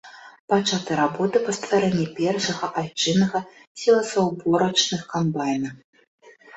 Пачаты работы па стварэнні першага айчыннага сіласаўборачных камбайна.